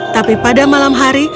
tapi pada malam hari